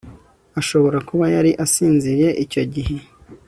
ashobora kuba yari asinziriye icyo gihe